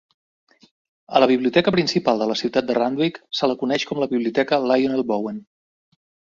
A la biblioteca principal de la ciutat de Randwick se la coneix com la Biblioteca Lionel Bowen.